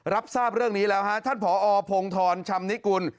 รับทราบเรื่องนี้แล้วฮะท่านผอพงธรชำนิกุล